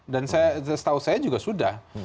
dan setahu saya juga sudah